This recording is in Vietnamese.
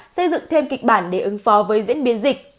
xây dựng thêm kịch bản để ứng phó với diễn biến dịch